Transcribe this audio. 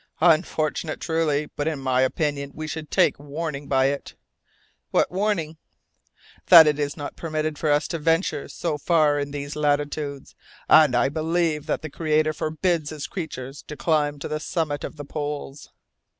"Unfortunate, truly, but in my opinion we should take warning by it." "What warning?" "That it is not permitted to us to venture so far in these latitudes, and I believe that the Creator forbids His creatures to climb to the summit of the poles."